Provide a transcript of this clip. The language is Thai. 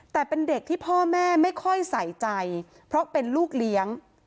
แต่เป็นเด็กที่พ่อแม่ไม่ค่อยใส่ใจเพราะเป็นลูกเลี้ยง